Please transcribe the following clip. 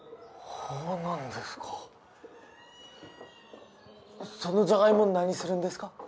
ほうなんですかそのじゃがいも何するんですか？